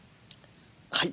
はい。